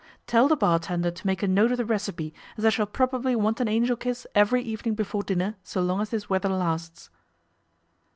'Tell the bar tender to make a note of the recipe, as I shall probably want an Angel Kiss every evening before dinner so long as this weather lasts.